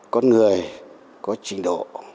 con người có trình độ